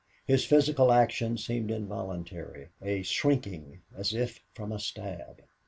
His physical action seemed involuntary a shrinking as if from a stab.